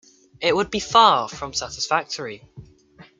It would be far from satisfactory.